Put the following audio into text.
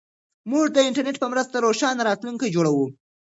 موږ د انټرنیټ په مرسته روښانه راتلونکی جوړوو.